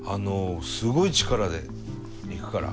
すごい力でいくから。